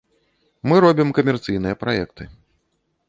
Мы робім камерцыйныя праекты.